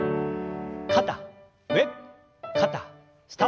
肩上肩下。